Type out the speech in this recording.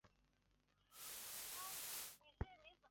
拉瓦勒站位于拉瓦勒市区的东北部。